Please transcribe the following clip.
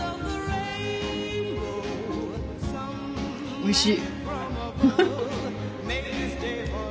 おいしい！